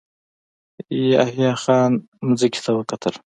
يحيی خان ځمکې ته وکتل.